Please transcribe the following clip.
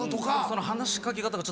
その話し掛け方が。